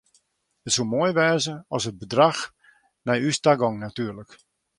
It soe moai wêze at it bedrach nei ús ta gong natuerlik.